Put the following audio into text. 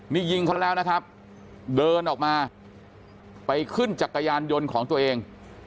นี่ยิงเขาแล้วนะครับเดินออกมาไปขึ้นจักรยานยนต์ของตัวเอง